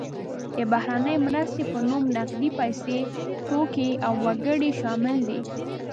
د بهرنۍ مرستې په نوم نغدې پیسې، توکي او وګړي شامل دي.